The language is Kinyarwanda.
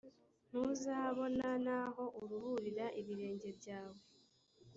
ntuzabona n’aho uruhurira ibirenge byawe;